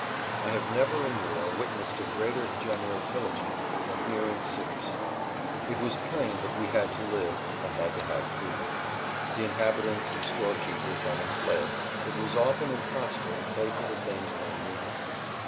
I have never in war witnessed a greater general pillaging than here in Suippes. It was plain that we had[Pg 78] to live and had to have food. The inhabitants and storekeepers having fled, it was often impossible to pay for the things one needed.